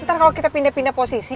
ntar kalau kita pindah pindah posisi